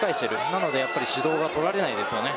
なので指導が取られないですよね。